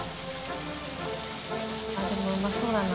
あっでもうまそうだな。